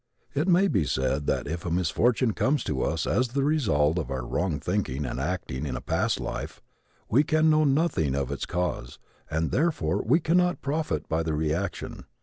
It may be said that if a misfortune comes to us as the result of our wrong thinking and acting in a past life we can now know nothing of its cause and therefore we cannot profit by the reaction.